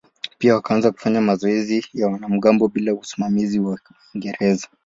Pia wakaanza kufanya mazoezi ya wanamgambo bila usimamizi wa Waingereza.